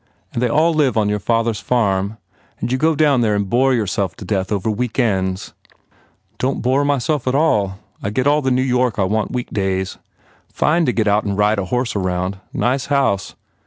And they all live on your father s farm? And you go down there and bore yourself to death over weekends?" "Don t bore myself at all. I get all the New York I want weekdays. Fine to get out and ride a horse round. Nice house.